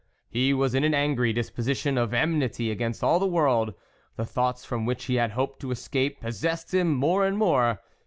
He was in an angry disposition oJ enmity against all the world ; the thought from which he had hoped to escape possessed him more and more.